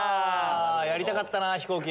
やりたかったな飛行機。